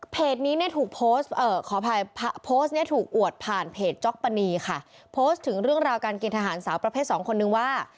เพจนี้ถูกโพสต์ผ่านจ๊อคปะนีค่ะโพสต์ถึงเรื่องราวการเกณฑ์ทหารสาวประเภทสองคนนึงว่า